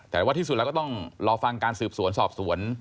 แต่ว่าที่สุดแล้วก็ต้องรอฟังการสืบสวนสอบสวน